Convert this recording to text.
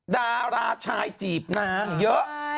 ดาราชายจีบนางเยอะ